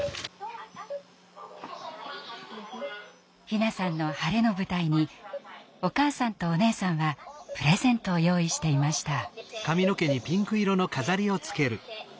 陽菜さんの晴れの舞台にお母さんとお姉さんはプレゼントを用意していました。